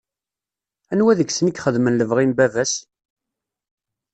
Anwa deg-sen i ixedmen lebɣi n baba-s?